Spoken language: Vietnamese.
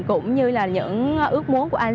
cũng như là những ước muốn của anh